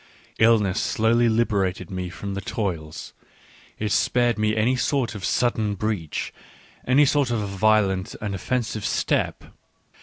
Illness slowly liberated me from the toils, it spared me any sort of sudden breach, any sort of violent and offensive step.